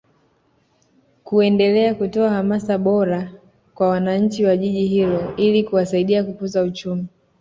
kuendelea kutoa hamasa bora kwa wananchi wa Jiji hilo ili kuwasaidia kukuza uchumi